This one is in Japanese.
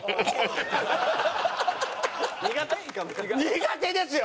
苦手ですよ！